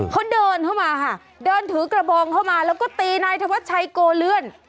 เขาเดินเข้ามาค่ะเดินถือกระบองเข้ามาแล้วก็ตีนายธวัชชัยโกเลื่อน